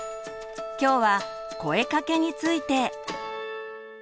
今日は「声かけ」について。